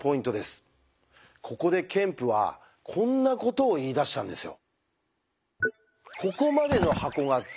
ここでケンプはこんなことを言いだしたんですよ。